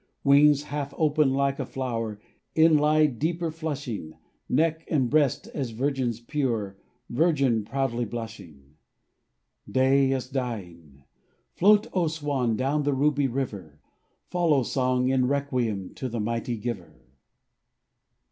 Wings half open, like a flow'r, Inly deeper flushing, Neck and breast as Virgin's pure Virgin proudly blushing. Day is dying! Float, O swan, Down the ruby river; Follow, song, in requiem To the mighty Giver.